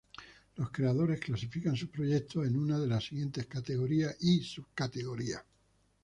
Los creadores clasifican sus proyectos en una de las siguientes categorías y subcategorías.